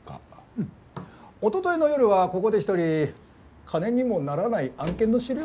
うん一昨日の夜はここで一人金にもならない案件の資料を。